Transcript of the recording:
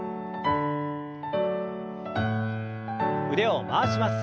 腕を回します。